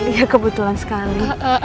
iya kebetulan sekali